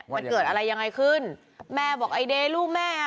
มันเกิดอะไรยังไงขึ้นแม่บอกไอเดย์ลูกแม่อ่ะ